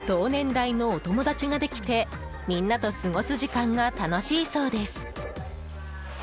同年代のお友達ができてみんなと過ごす時間が楽しいそうです。